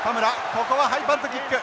ここはハイバウンドキック。